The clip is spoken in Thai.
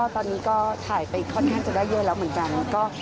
ตอนนี้ก็ถ่ายไปค่อนข้างจะได้เยอะแล้วเหมือนกัน